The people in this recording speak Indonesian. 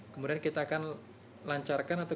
kemudian kita akan lancarkan atau